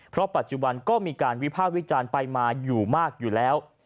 เพราะปัจจุบันก็มีการวิภาควิจารณ์ไปมาอยู่มากอยู่แล้ว